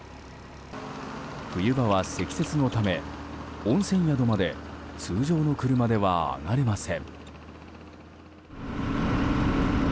冬場は積雪のため、温泉宿まで通常の車では上がれません。